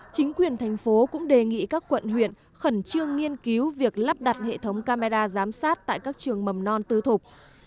chính quyền thành phố cũng đề nghị các quận huyện khẩn trương nghiên cứu việc lắp đặt hệ thống camera giám sát tại các trường mầm non tư thục